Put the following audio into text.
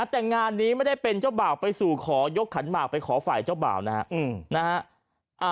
แต่งานนี้ไม่ได้เป็นเจ้าบ่าวไปสู่ขอยกขันหมากไปขอฝ่ายเจ้าบ่าวนะฮะ